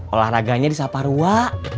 olahraganya di saparua